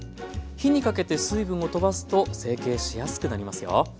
火にかけて水分をとばすと成形しやすくなりますよ。